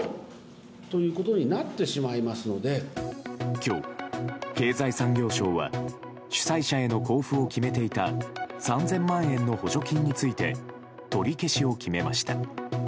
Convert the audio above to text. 今日、経済産業省は主催者への交付を決めていた３０００万円の補助金について取り消しを決めました。